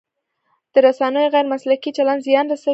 د رسنیو غیر مسلکي چلند زیان رسوي.